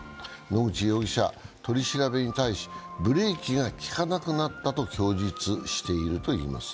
野口容疑者、取り調べに対し、ブレーキが利かなくなったと供述しているといいます。